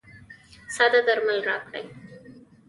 ساده درمل راکړئ.